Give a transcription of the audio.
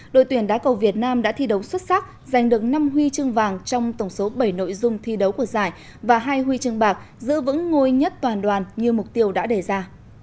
đội tuyển đá cầu việt nam đã thi đấu xuất sắc giành được năm huy chương vàng trong tổng số bảy nội dung thi đấu của giải và hai huy chương bạc giữ vững ngôi nhất toàn đoàn như mục tiêu đã đề ra